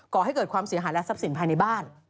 ก่อให้เกิดความเสียหายและทรัพย์สินภายในบ้าน